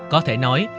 có thể nói